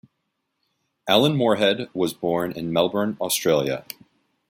Alan Moorehead was born in Melbourne, Australia.